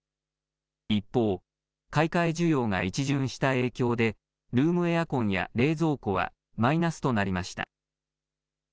一方、買い替え需要が一巡した影響でルームエアコンや冷蔵庫はマイナスとなりました。